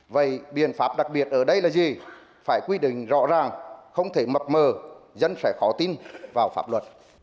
vậy biện pháp đặc biệt ở đây là gì phải quy định rõ ràng không thể mập mờ dân sẽ khó tin vào pháp luật